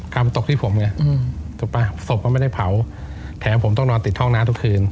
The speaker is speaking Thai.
กล้ามตกที่ผมไงศพก็ไม่ได้เผาแถมผมต้องนอนติดห้องน้าทุกคืน